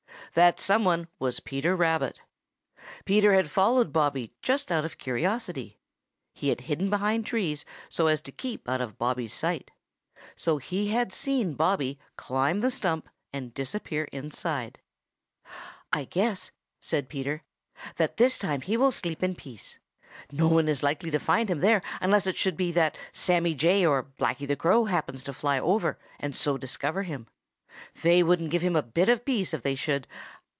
That some one was Peter Rabbit. Peter had followed Bobby just out of curiosity. He had hidden behind trees so as to keep out of Bobby's sight. So he had seen Bobby climb the stump and disappear inside. "I guess," said Peter, "that this time he will sleep in peace. No one is likely to find him there unless it should be that Sammy Jay or Blacky the Crow happens to fly over and so discover him. They wouldn't give him a bit of peace if they should.